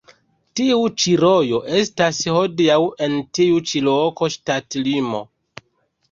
Tiu ĉi rojo estas hodiaŭ en tiu ĉi loko ŝtatlimo.